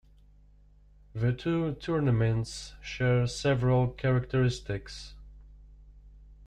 The two tournaments share several characteristics.